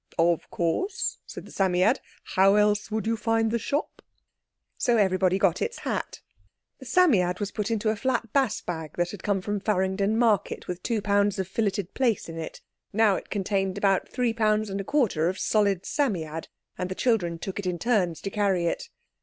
"Of course," said the Psammead; "how else would you find the shop?" So everybody got its hat. The Psammead was put into a flat bass bag that had come from Farringdon Market with two pounds of filleted plaice in it. Now it contained about three pounds and a quarter of solid Psammead, and the children took it in turns to carry it.